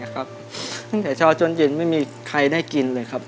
ตั้งแต่เช้าจนเย็นไม่มีใครได้กินเลยครับ